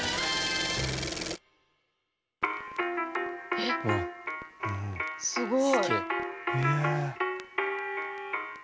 えっすごい。